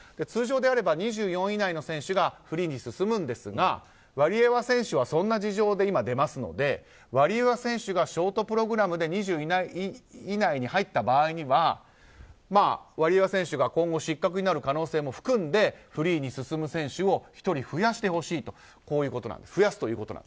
通常であれば２４位以内の選手がフリーに進むんですがワリエワ選手はそんな事情で今、出ますのでワリエワ選手がショートプログラムで２４位以内に入った場合にはワリエワ選手が今後、失格になる可能性も含んでフリーに進む選手を１人増やすということなんです。